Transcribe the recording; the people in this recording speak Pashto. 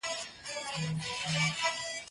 بوټونه د مور له خوا پاکيږي؟